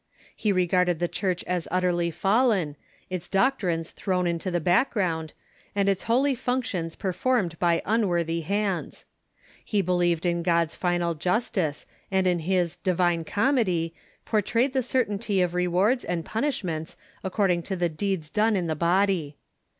He regarded the Church as 186 THE MKni.EVAL CHURCH utterly fallen, its doctrines thrown into the backgrunnd, and its holy functions performed by unworthy hands. He believed in God's final justice, and in his " Divine Comedy " portrayed the certainty of rewards and punishments according to the deeds done in the body.